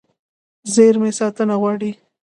زېرمې ساتنه غواړي.